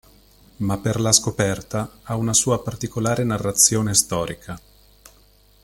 Ma per la scoperta ha una sua particolare narrazione storica.